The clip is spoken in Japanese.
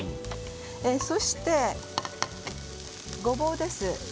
そしてごぼうです。